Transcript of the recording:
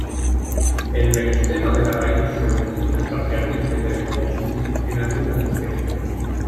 El meristema de la raíz se origina parcialmente de la hipófisis en algunas especies.